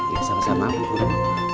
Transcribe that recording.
ya sama sama kukuru